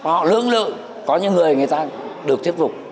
họ lưỡng lự có những người người ta được thuyết phục